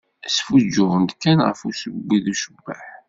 Sfuǧǧuɣent kan ɣef usewwi d ucebbeḥ.